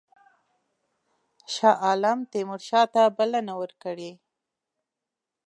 شاه عالم تیمورشاه ته بلنه ورکړې.